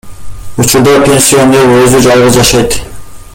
Учурда пенсионер өзү жалгыз жашайт.